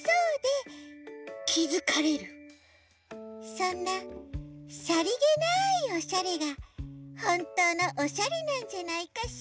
そんなさりげないおしゃれがほんとうのおしゃれなんじゃないかしら。